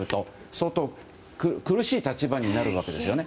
相当、苦しい立場になるわけですよね。